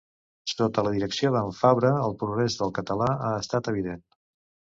Sota la direcció d'en Fabra el progrés del català ha estat evident.